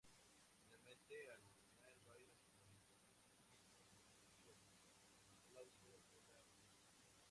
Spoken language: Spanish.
Finalmente, al final, bailan como sí mismos, con mucho aplauso de la audiencia.